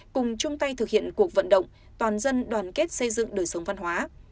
cùng chung tay thực hiện cuộc vận động toàn dân đoàn kết xây dựng đời sống văn hóa